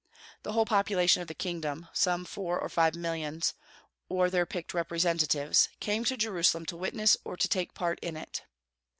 The whole population of the kingdom, some four or five millions, or their picked representatives, came to Jerusalem to witness or to take part in it.